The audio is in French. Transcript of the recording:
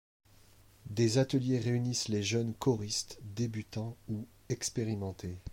Des ateliers réunissent les jeunes choristes, débutants ou expérimentés.